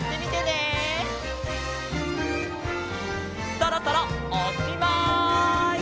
そろそろおっしまい！